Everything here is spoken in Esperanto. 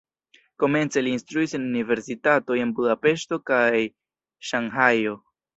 Komence li instruis en universitatoj en Budapeŝto kaj Ŝanhajo.